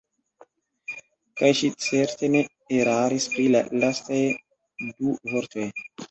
Kaj ŝi certe ne eraris pri la lastaj du vortoj.